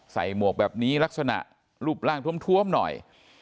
หมวกแบบนี้ลักษณะรูปร่างทวมหน่อย